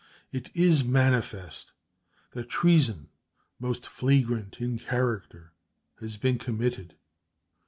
It is manifest that treason, most flagrant in character, has been committed.